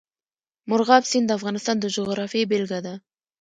مورغاب سیند د افغانستان د جغرافیې بېلګه ده.